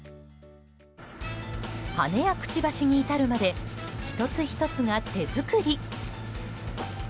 羽やくちばしに至るまで１つ１つが手作り。